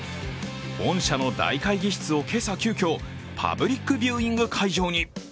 本社の大会議室を今朝急きょ、パブリックビューイング会場に。